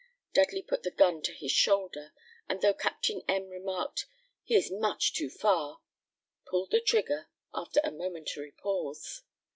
Dudley put the gun to his shoulder, and though Captain M remarked, "He is much too far," pulled the trigger, after a momentary pause.